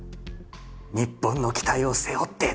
「日本の期待を背負って」とかさ。